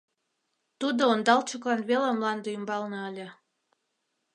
Тудо ондалчыклан веле мланде ӱмбалне ыле.